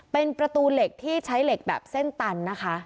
เป็นประตูเหล็กที่ใช้เหล็กแบบเส้นตันนะคะ